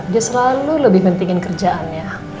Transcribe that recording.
dia selalu lebih pentingin kerjaan ya